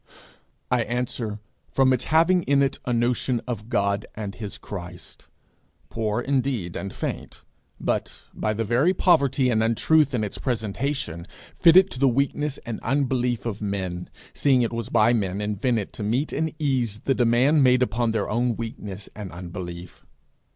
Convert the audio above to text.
I answer, From its having in it a notion of God and his Christ, poor indeed and faint, but, by the very poverty and untruth in its presentation, fitted to the weakness and unbelief of men, seeing it was by men invented to meet and ease the demand made upon their own weakness and unbelief.